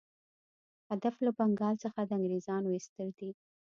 هدف له بنګال څخه د انګرېزانو ایستل دي.